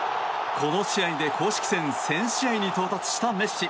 この試合で公式戦１０００試合に到達したメッシ。